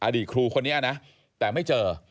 ครูคนนี้นะแต่ไม่เจอ